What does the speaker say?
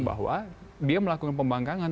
bahwa dia melakukan pembangkangan